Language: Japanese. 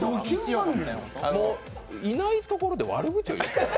いないところで、悪口を言っている。